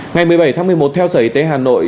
ngày một mươi bảy tháng một mươi một theo sở y tế hà nội